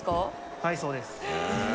はいそうです。